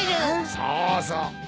そうそう。